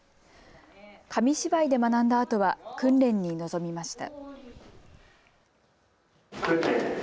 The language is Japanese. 紙芝居で学んだあとは訓練に臨みました。